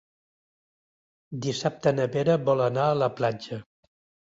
Dissabte na Vera vol anar a la platja.